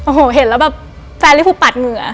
โอ้โหเห็นแล้วแบบแฟนลิฟูปัดเหงื่อ